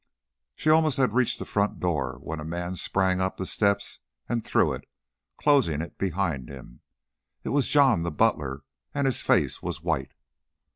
She almost had reached the front door when a man sprang up the steps and through it, closing it behind him. It was John, the butler, and his face was white.